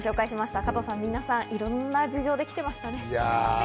加藤さん、皆さん、いろんな事情で来てましたね。